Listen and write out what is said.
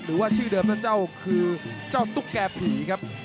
หรือว่าชื่อเดิมนะเจ้าคือเจ้าตุ๊กแก่ผีครับ